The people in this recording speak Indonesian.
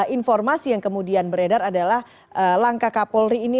informasi yang kemudian beredar adalah langkah kapolri ini